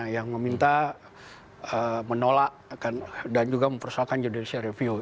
yang meminta menolak dan juga mempersoalkan judicial review